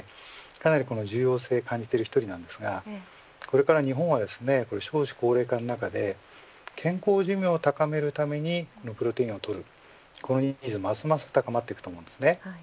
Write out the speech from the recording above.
かなり重要性を感じている一人なんですがこれから日本は少子高齢化の中で健康寿命を高めるためにプロテインをとるこのニーズは、ますます高まっていくと思います。